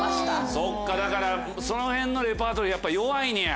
そっかだからそのへんのレパートリーやっぱ弱いねや？